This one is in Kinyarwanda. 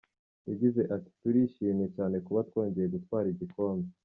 Yagize ati “Turishimye cyane kuba twongeye gutwara igikombe.